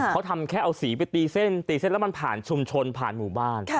เขาทำแค่เอาสีไปตีเส้นตีเส้นแล้วมันผ่านชุมชนผ่านหมู่บ้าน